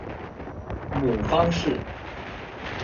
母方氏。